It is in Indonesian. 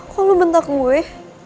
kok lo bentak gue